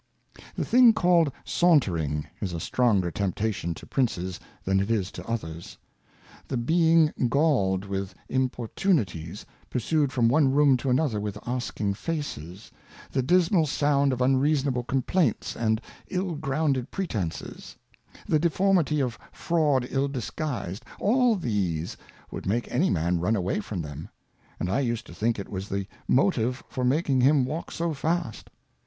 The thing called Sauntering, is a stronger Temptation to Princes than it is to others. The being galled with Impor tunities, pursued from one Room to another with asking Faces ; the dismal Sound of unreasonable Complaints, and ill grounded Pretences; the Deformity of Fraud ill disguised; all these would make any Man run away from them; and I used to think it was the Motive for making him walk so fast.